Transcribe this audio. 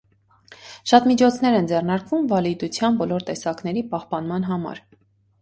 Շատ միջոցներ են ձեռնարկվում վալիդության բոլոր տեսակների պահպանման համար։